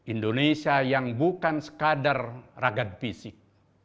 indonesia yang bukan sekadar ragat fisik